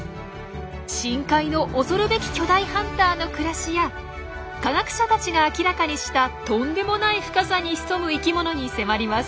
深海の恐るべき巨大ハンターの暮らしや科学者たちが明らかにしたとんでもない深さに潜む生きものに迫ります。